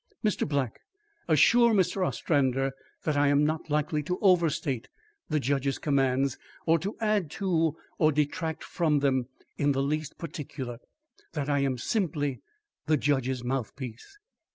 Mr. Black, assure Mr. Ostrander that I am not likely to overstate the judge's commands, or to add to or detract from them in the least particular that I am simply the judge's mouthpiece."